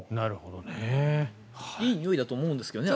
いいにおいだと思うんですけどね。